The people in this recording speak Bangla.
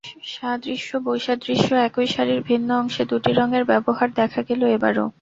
সাদৃশ্য বৈসাদৃশ্য একই শাড়ির ভিন্ন অংশে দুটি রঙের ব্যবহার দেখা গেল এবারও।